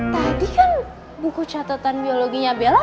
tadi kan buku catatan biologinya bella